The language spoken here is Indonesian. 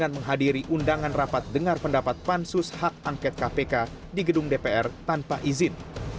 menghadiri undangan rapat dengar pendapat pansus hak angket kpk di gedung dpr tanpa izin